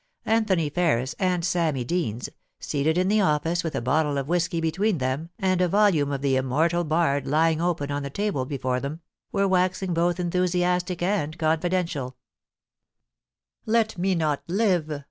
Anthony Ferris and Sammy Deans, seated in the office with a bottle of whisky between them and a volume of the immortal bard lying open on the table before them, were waxing both en thusiastic and confidential * Let me not live THE WORSHIP OF SHA KESPEA RE.